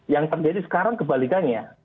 yang terjadi sekarang kebalikannya